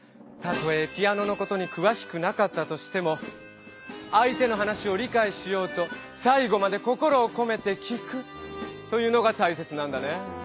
たとえピアノのことにくわしくなかったとしても相手の話を理かいしようとさい後まで心をこめて聞くというのが大切なんだね。